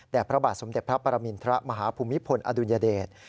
พระบาทสมเด็จพระปรมินทรมาฮภูมิพลอดุลยเดช